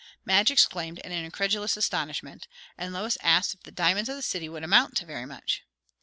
Madge exclaimed in incredulous astonishment; and Lois asked if the diamonds of the city would amount to very much.